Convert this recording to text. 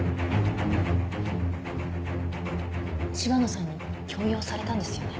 柴野さんに強要されたんですよね？